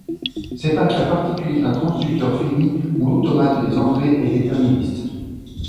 C'est un cas particulier d'un transducteur fini, où l'automate des entrées est déterministe.